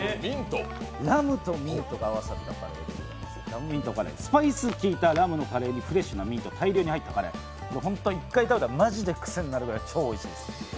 ラムとミントが合わさったカレーで、スパイスがきいたラムのミントが大量に入ったカレー、１回食べたらマジでクセになるくらい超おいしいです。